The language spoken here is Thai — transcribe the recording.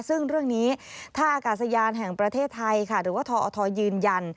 ซึ่งเรื่องนี้ท่าอากาศยานแห่งประเทศไทยค่ะหรือว่าทอทยืนยัน